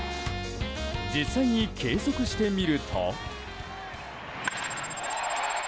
実際に計測してみると。